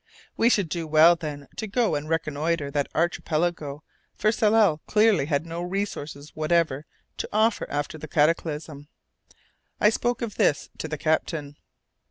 We should do well, then, to go and reconnoitre that archipelago, for Tsalal clearly had no resources whatever to offer after the cataclysm. I spoke of this to the captain.